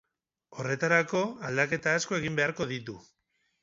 Horretarako, aldaketa asko egin beharko ditu.